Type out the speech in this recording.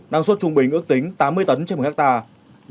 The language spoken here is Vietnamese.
năng suất trung bình ước tính tám mươi tấn trên một hectare